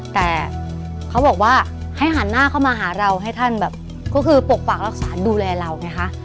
แต่เขาบอกว่าให้หันหน้าเข้ามาหาเราให้ท่านแบบก็คือปกปักรักษาดูแลเราไงคะ